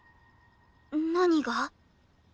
何が？